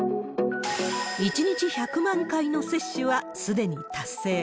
１日１００万回の接種はすでに達成。